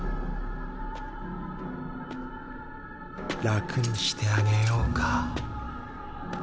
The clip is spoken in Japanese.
楽にしてあげようか。